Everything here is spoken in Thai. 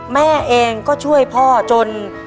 แม่เองก็ช่วยพ่อจน